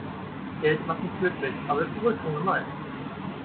Geld macht nicht glücklich, aber es beruhigt ungemein.